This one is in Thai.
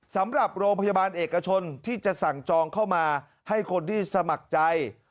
สำหรับโรงพยาบาลเอกชนที่จะสั่งจองเข้ามาให้คนที่สมัครใจ